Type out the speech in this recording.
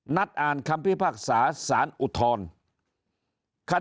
นัดอ่านคำพิพากษาสารอุทธร